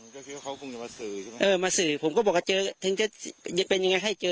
ก็คิดว่าเขาคงจะมาสื่อใช่ไหมเออมาสื่อผมก็บอกว่าเจอถึงจะเป็นยังไงให้เจอ